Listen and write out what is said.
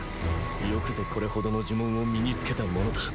よくぞこれほどの呪文を身につけたものだ